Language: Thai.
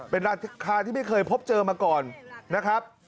เป็นราคาที่ไม่เคยพบเจอมาก่อนนะครับ